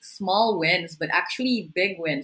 saya bisa jujur tidak hanya menang kecil